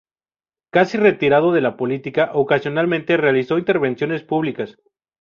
Casi retirado de la política, ocasionalmente realizó intervenciones públicas.